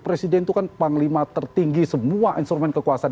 presiden itu kan panglima tertinggi semua instrumen kekuasaan